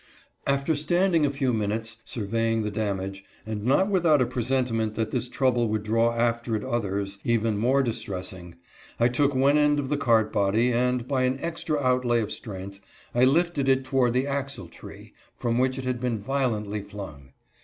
After standing a few minutes, surveying the damage, and not without a presentiment that this trouble would draw after it others, even more distressing, I took one end of the cart body and, by an extra outlay of strength, I lifted it toward the axle tree, from which it had been violently flung.